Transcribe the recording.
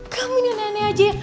kamu ini aneh aneh aja ya